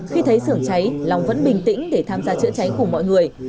khi thấy xưởng cháy long vẫn bình tĩnh để tham gia chữa cháy cùng mọi người